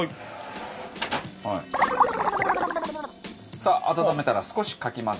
さあ温めたら少しかき混ぜ。